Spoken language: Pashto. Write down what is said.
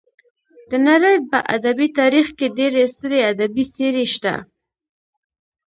د نړۍ په ادبي تاریخ کې ډېرې سترې ادبي څېرې شته.